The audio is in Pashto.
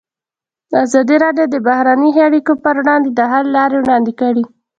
ازادي راډیو د بهرنۍ اړیکې پر وړاندې د حل لارې وړاندې کړي.